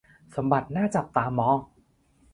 สมบัติน่าจับตามอง